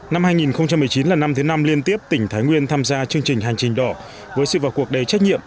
năm hai nghìn một mươi chín là năm thứ năm liên tiếp tỉnh thái nguyên tham gia chương trình hành trình đỏ với sự vào cuộc đầy trách nhiệm